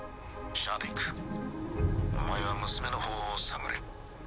シャディクお前は娘の方を探れ。